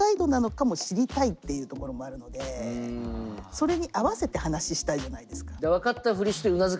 それに合わせて話したいじゃないですか。